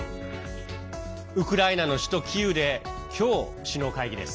ウクライナの首都キーウで今日、首脳会議です。